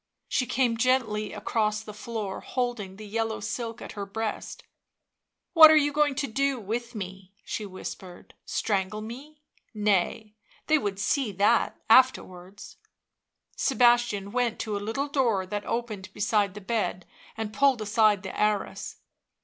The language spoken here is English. She came gently across the floor, holding the yellow silk at her breast. " What are you going to do with me V' she whispered. " Strangle me ?— nay, they would see that — afterwards." Sebastian went to a little door that opened beside the bed and pulled aside the arras.